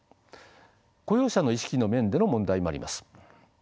雇用者の意識の面での問題もあります。